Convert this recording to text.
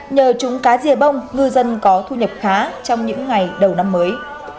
nhờ trúng cá rìa bông ngư dân có thu nhập khá trong những ngày đầu năm mới